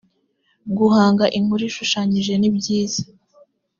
guhanga inkuru ishushanyije nibyiza